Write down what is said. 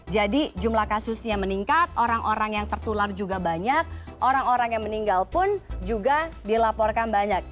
jadi jumlah kasusnya meningkat orang orang yang tertular juga banyak orang orang yang meninggal pun juga dilaporkan banyak